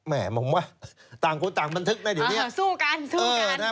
แหมบอกว่าต่างคุณต่างบันทึกสู้กันสู้กัน